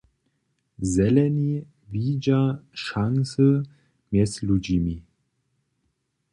Zeleni widźa šansy mjez ludźimi.